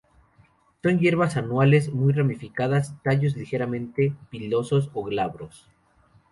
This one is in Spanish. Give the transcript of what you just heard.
Son hierbas anuales muy ramificadas; tallos ligeramente pilosos a glabros.